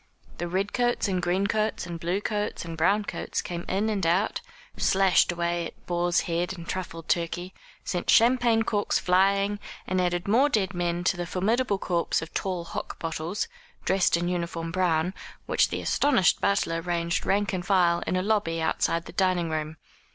The red coats and green coats, and blue coats and brown coats, came in and out, slashed away at boar's head and truffled turkey, sent champagne corks flying, and added more dead men to the formidable corps of tall hock bottles, dressed in uniform brown, which the astonished butler ranged rank and file in a lobby outside the dining room.